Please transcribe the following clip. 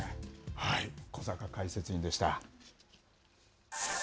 小坂解説委員でした。